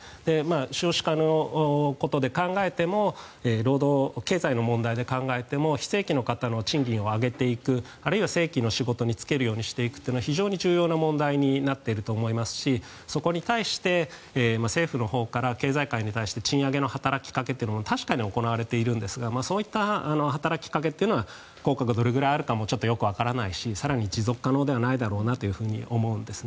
少子化のことで考えても経済のことで考えても非正規の方の賃金を上げていくあるいは正規の仕事に就けるようにしていくことは非常に重要な問題になっていると思いますしそこに対して政府のほうから経済界に対して賃上げの働きかけっていうのは確かに行われているんですがそういった働きかけというのは効果がどれぐらいあるかもわからないし更に持続可能ではないだろうなと思うんですね。